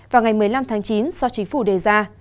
vào ngày một mươi năm tháng chín do chính phủ đề ra